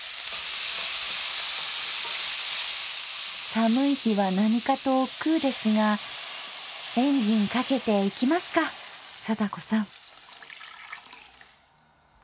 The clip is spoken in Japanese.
寒い日は何かとおっくうですがエンジンかけていきますか貞子さん？